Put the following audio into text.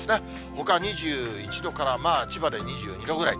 ほかは２１度からまあ、千葉で２２度ぐらい。